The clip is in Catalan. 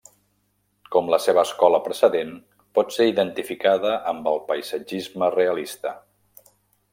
Com la seva escola precedent, pot ser identificada amb el paisatgisme realista.